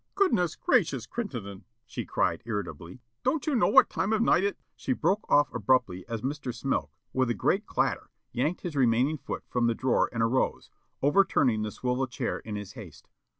"Goodness gracious, Crittenden," she cried irritably, "don't you know what time of night it " She broke off abruptly as Mr. Smilk, with a great clatter, yanked his remaining foot from the drawer and arose, overturning the swivel chair in his haste.